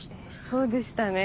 そうでしたね。